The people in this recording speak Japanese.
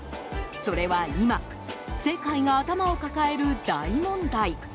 それは今、世界が頭を抱える大問題。